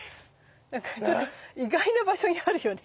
なんかちょっと意外な場所にあるよね。